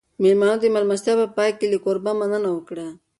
مېلمنو د مېلمستیا په پای کې له کوربه مننه وکړه.